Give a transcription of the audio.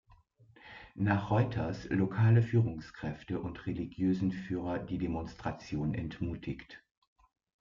Nach Reuters lokale Führungskräfte und religiösen Führer die Demonstration entmutigt.